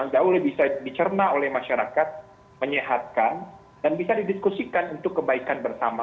jauh lebih bisa dicerna oleh masyarakat menyehatkan dan bisa didiskusikan untuk kebaikan bersama